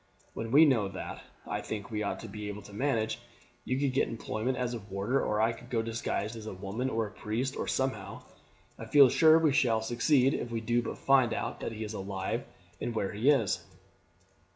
When we know that, I think we ought to be able to manage. You could get employment as a warder, or I could go disguised as a woman, or as a priest, or somehow. I feel sure we shall succeed if we do but find out that he is alive and where he is."